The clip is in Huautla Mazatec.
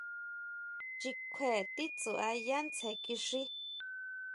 Chikjue titsuʼá yá tsjen kixí.